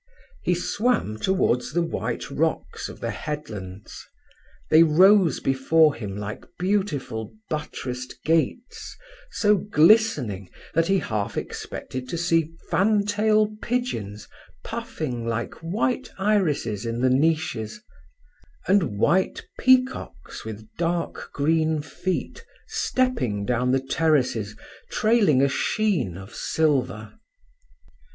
He swam towards the white rocks of the headlands; they rose before him like beautiful buttressed gates, so glistening that he half expected to see fantail pigeons puffing like white irises in the niches, and white peacocks with dark green feet stepping down the terraces, trailing a sheen of silver.